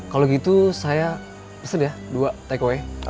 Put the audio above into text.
kalau gitu saya pesan ya dua takeaway